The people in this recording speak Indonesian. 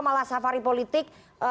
malah safari politik